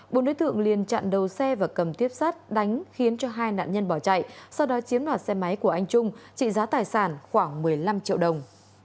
bốn đối tượng liên chặn đầu xe và cầm tiếp sát đánh khiến cho hai nạn nhân bỏ chạy sau đó chiếm đoạt xe máy của anh trung trị giá tài sản khoảng một mươi năm triệu đồng